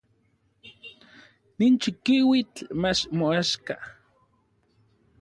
Nin chikiuitl mach moaxka.